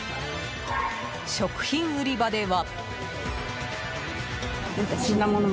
食品売り場では。